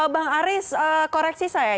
bang aris koreksi saya